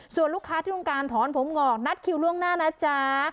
ส่วนลูกค้าที่ต้องการถอนผมงอกนัดคิวล่วงหน้านะจ๊ะ